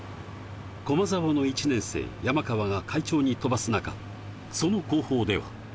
駒澤の１年生・山川が快調に飛ばす中、その後方では。